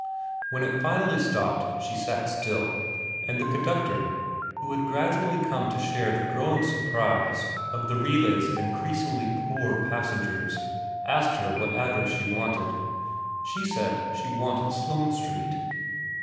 When it finally stopped she sat still ; and the conductor, who had gradually come to share the growing surprise of the IX VERA 97 relays of increasingly poor passengers, asked her what address she wanted. She said she wanted Sloane Street.